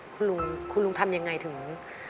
คุณลุงคุณลุงทำยังไงถึง